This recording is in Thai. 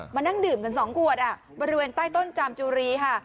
มานั่งดื่มกันสองกวดอ่ะบริเวณใต้ต้นจามจุรีค่ะ